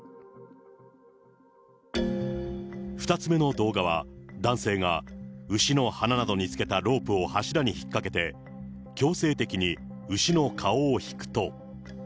２つ目の動画は、男性が牛の鼻などにつけたロープを柱に引っ掛けて、強制的に牛の顔を引くと。